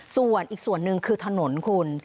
ส่วนอีกส่วนหนึ่งคือถนนคุณ